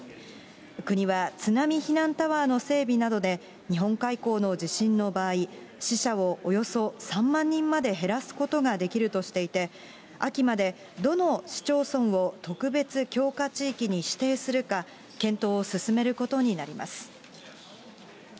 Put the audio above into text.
国は津波避難タワーの整備などで、日本海溝の地震の場合、死者をおよそ３万人まで減らすことができるとしていて、秋まで、どの市町村を特別強化地域に指定するか、検討を進めることになります。